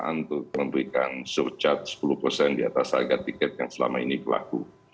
untuk memberikan surchard sepuluh persen di atas harga tiket yang selama ini berlaku